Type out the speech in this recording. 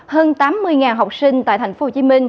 hơn tám mươi học sinh tại tp hcm